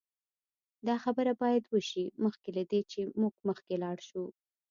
دا خبره باید وشي مخکې له دې چې موږ مخکې لاړ شو